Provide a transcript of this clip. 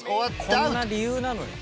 こんな理由なのよ